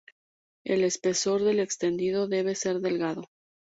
El espesor del extendido debe ser delgado.